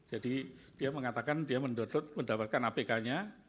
jadi dia mengatakan dia mendownload mendapatkan apk nya